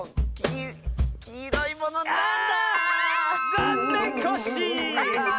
ざんねんコッシー！